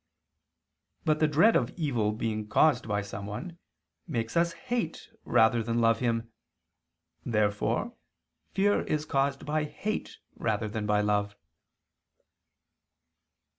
But the dread of evil being caused by someone, makes us hate rather than love him. Therefore fear is caused by hate rather than by love.